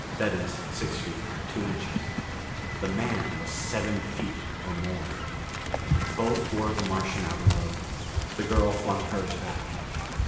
That is, six feet, two inches. The man was seven feet or more. Both wore the Martian outer robe. The girl flung hers back.